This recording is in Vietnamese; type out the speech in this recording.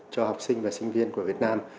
cho học sinh và sinh viên của việt nam